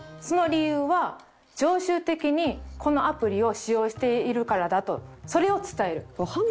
その理由は常習的にこのアプリを使用しているからだとそれを伝える。